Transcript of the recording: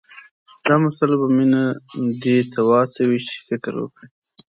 دا مسله به مينه دې ته وهڅوي چې فکر وکړي